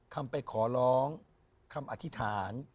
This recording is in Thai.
คำไปขอร้องคำอธิษฐาน